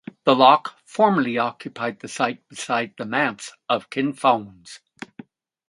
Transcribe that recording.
The loch formerly occupied the site beside the Manse of Kinfauns.